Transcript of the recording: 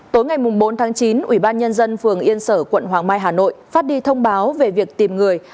tối ngày bốn tháng chín ủy ban nhân dân phường yên sở quận hoàng mai hà nội phát đi thông báo về việc tìm người